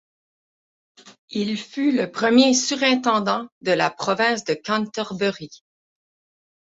Il fut le premier surintendant de la province de Canterbury.